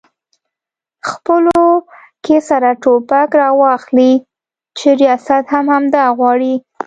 خپلو کې سره ټوپک راواخلي چې ریاست هم همدا غواړي؟